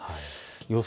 予想